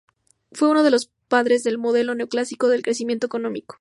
Fue uno de los padres del modelo neoclásico de crecimiento económico.